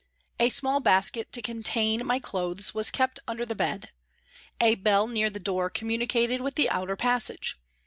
A small basket to contain my clothes was kept under the bed. A bell near the door communicated with the outer passage.